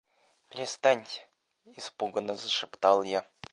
— Перестаньте, — испуганно зашептал я.